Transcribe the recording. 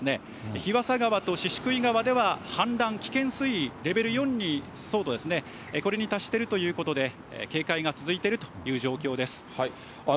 日和佐川とししくい川では氾濫危険水位、レベル４に相当ですね、これに達しているということで、警戒が続いているという状況です。